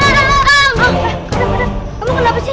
adam kamu kenapa sih